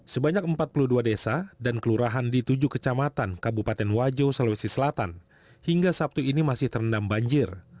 sebanyak empat puluh dua desa dan kelurahan di tujuh kecamatan kabupaten wajo sulawesi selatan hingga sabtu ini masih terendam banjir